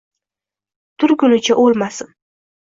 Turgunicha o’lmasin».